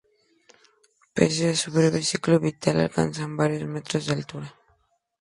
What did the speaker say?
Pese a su breve ciclo vital, alcanzan varios metros de altura.